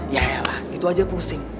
yaelah gitu aja pusing